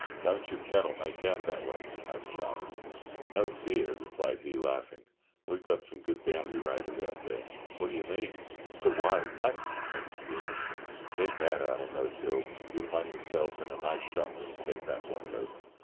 "Don't your cattle make out that way?" asked Charlie. "No fear," replied he, laughing. "We've some good boundary riders out there." "What do you mean?" "The wild blacks," answered the Englishman. "They're bad out on those hills. You'll find yourselves in a nice shop when you take that block over.